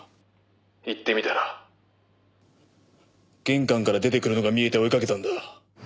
行ってみたら玄関から出てくるのが見えて追いかけたんだ。